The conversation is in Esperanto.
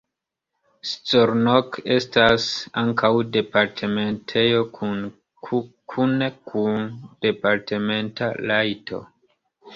Szolnok estas ankaŭ departementejo kune kun departementa rajto.